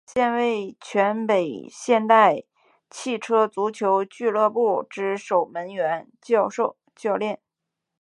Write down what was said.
现为全北现代汽车足球俱乐部之守门员教练。